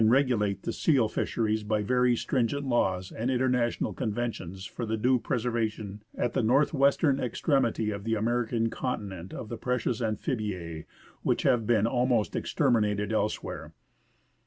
ELIAS regulate the seal fisheries by very stringent laws and international conventions for the due preservation at the north western ex tremity of the American continent of the precious amphibise, which have been almost exterminated elsewhere.